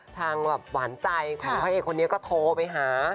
ทางหวานใจของพระเอกคนนี้ก็โทรไปหา